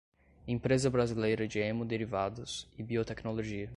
Empresa Brasileira de Hemoderivados e Biotecnologia